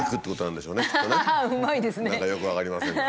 何かよく分かりません。